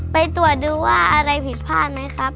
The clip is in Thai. ไปตรวจดูว่าอะไรผิดพลาดไหมครับ